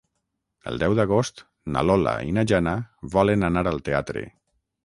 El deu d'agost na Lola i na Jana volen anar al teatre.